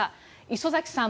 礒崎さん